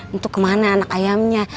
itu kemana anak ayamnya